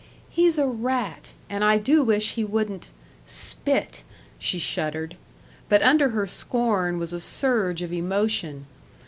"He's a rat. And I do wish he wouldn't spit!" she shuddered. But under her scorn was a surge of emotion....